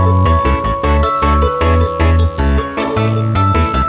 มานี่ยังมาก